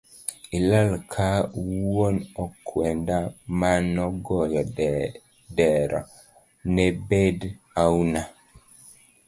Ilal ka wuon akwenda manogoyo dero nebend auna